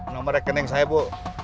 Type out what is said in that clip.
nomor rekening saya bu